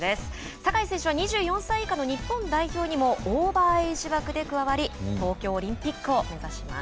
酒井選手は２４歳以下の日本代表にもオーバーエイジ枠で加わり東京オリンピックを目指します。